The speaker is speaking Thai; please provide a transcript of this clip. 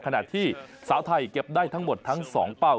ขณะที่สาวไทยเก็บได้ทั้งหมดทั้ง๒เป้า